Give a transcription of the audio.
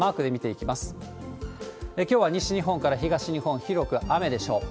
きょうは西日本から東日本、広く雨でしょう。